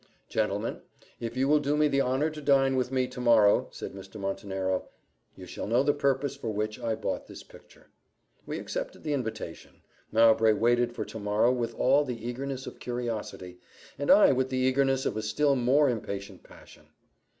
"Gentlemen, if you will do me the honour to dine with me to morrow," said Mr. Montenero, "you shall know the purpose for which I bought this picture." We accepted the invitation; Mowbray waited for to morrow with all the eagerness of curiosity, and I with the eagerness of a still more impatient passion.